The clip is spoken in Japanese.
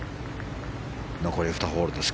残り２ホールです。